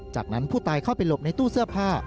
จากนั้นผู้ตายเข้าไปหลบในตู้เสื้อผ้า